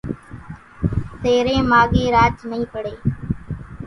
تيرين ماڳين راچ نئي پڙي